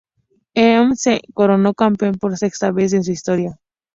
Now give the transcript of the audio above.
Emelec se coronó campeón por sexta vez en su historia.